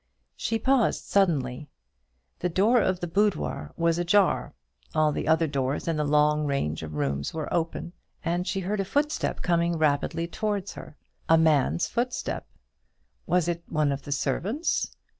She paused suddenly. The door of the boudoir was ajar; all the other doors in the long range of rooms were open, and she heard a footstep coming rapidly towards her: a man's footstep! Was it one of the servants?